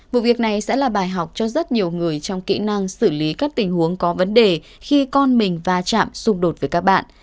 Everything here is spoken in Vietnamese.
vụ việc này sẽ là bài học cho rất nhiều người trong kỹ năng xử lý các tình huống có vấn đề khi con mình va chạm xung đột với các bạn